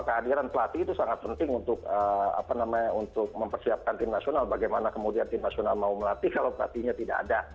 kehadiran pelatih itu sangat penting untuk mempersiapkan tim nasional bagaimana kemudian tim nasional mau melatih kalau pelatihnya tidak ada